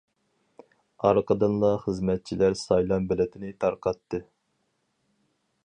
ئارقىدىنلا خىزمەتچىلەر سايلام بېلىتىنى تارقاتتى.